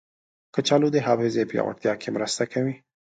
کچالو د حافظې پیاوړتیا کې مرسته کوي.